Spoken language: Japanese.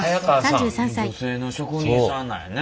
女性の職人さんなんやね。